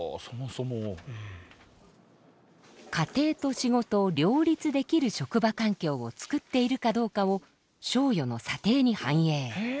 家庭と仕事を両立できる職場環境を作っているかどうかを賞与の査定に反映。